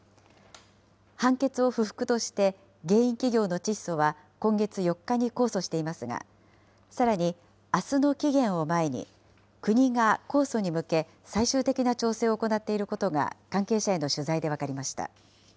判決を不服として、原因企業のチッソは、今月４日に控訴していますが、さらに、あすの期限を前に、国が控訴に向け、最終的な調整を行っていることが、関係者への取材で分かりました。